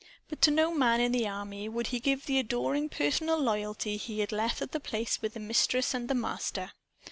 But to no man in the army would he give the adoring personal loyalty he had left at The Place with the Mistress and the Master.